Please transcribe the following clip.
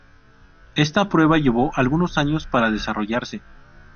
Esta prueba llevó algunos años para desarrollarse.